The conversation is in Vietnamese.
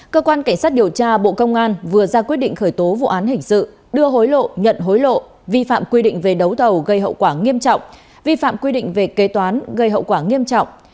cơ quan cảnh sát điều tra bộ công an vừa ra quyết định khởi tố vụ án hình sự đưa hối lộ nhận hối lộ vi phạm quy định về đấu thầu gây hậu quả nghiêm trọng vi phạm quy định về kế toán gây hậu quả nghiêm trọng